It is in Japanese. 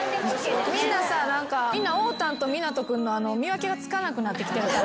みんな何かおーたんと湊斗君の見分けがつかなくなってきてるから。